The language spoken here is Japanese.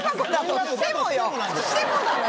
してもだね。